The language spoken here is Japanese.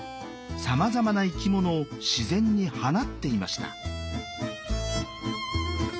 さまざまな生き物を自然に放っていました。